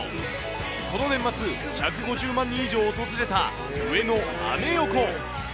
この年末、１５０万人以上訪れた上野アメ横。